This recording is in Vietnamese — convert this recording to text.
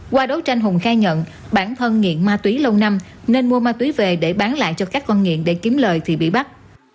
qua đấu tranh hùng khai nhận bản thân nghiện ma túy lâu năm nên mua ma túy về để bán lại cho các con nghiện để kiếm lời thì bị bắt